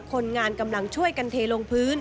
คนงานกำลังช่วยกันเทลงพื้น